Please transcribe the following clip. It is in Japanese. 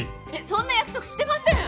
そんな約束してません！